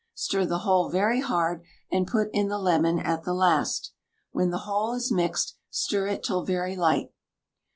Stir the whole very hard, and put in the lemon at the last. When the whole is mixed, stir it till very light.